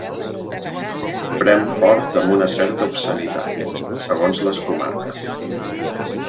Prem fort amb una certa obscenitat, segons les comarques.